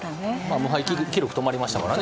無敗記録が止まりましたからね